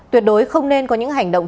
tuyệt đối không nên có những hành động